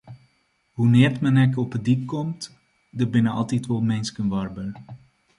Hoenear't men ek op 'e dyk komt, der binne altyd wol minsken warber.